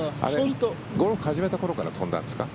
ゴルフ始めた頃から飛んだんですか？